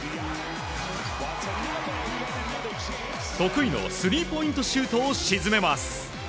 得意のスリーポイントシュートを沈めます。